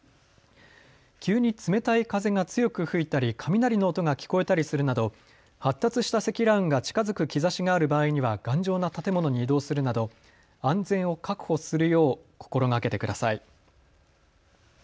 急に冷たい風が強く吹いたり雷の音が聞こえたりするなど発達した積乱雲が近づく兆しがある場合には頑丈な建物に移動するなど安全を確保するよう心がけてください。